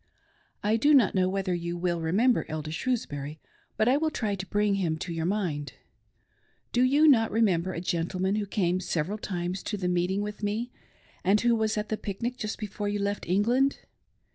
I do not know whether you will remember Elder Shrewsbury but I will try to bring him to your mind. Do you not rememfcer a gentleman who came several times to the meeting with me, and who was at the pic nic just before you left England